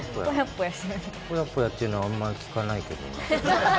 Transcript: ぽやぽやっていうのはあんまり聞かないけどな。